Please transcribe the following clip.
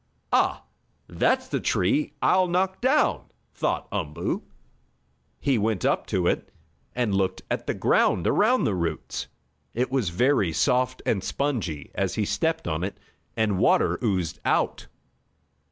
"Ah! That's the tree I'll knock down!" thought Umboo. He went up to it, and looked at the ground around the roots. It was soft and spongy as he stepped on it, and water oozed out.